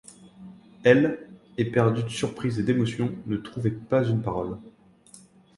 Elle, éperdue de surprise et d'émotion, ne trouvait pas une parole.